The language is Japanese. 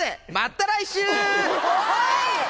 おい！